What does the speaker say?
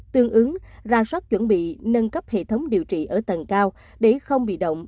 tương ứng ra soát chuẩn bị nâng cấp hệ thống điều trị ở tầng cao để không bị động